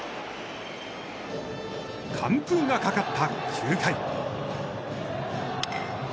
完封がかかった９回。